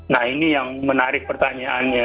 nah ini yang menarik pertanyaannya